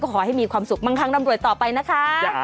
ขอให้มีความสุขบางครั้งร่ำรวยต่อไปนะคะ